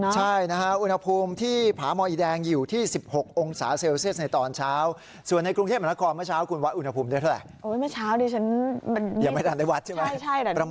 ใช่ค่ะอุณหภูมิลดลงมาหน่อยหนึ่งนะ